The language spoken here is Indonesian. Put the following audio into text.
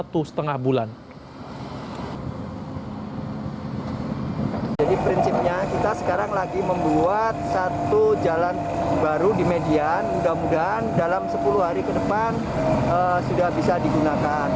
jadi prinsipnya kita sekarang lagi membuat satu jalan baru di median mudah mudahan dalam sepuluh hari ke depan sudah bisa digunakan